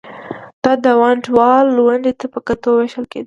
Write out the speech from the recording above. دا د ونډه وال ونډې ته په کتو وېشل کېده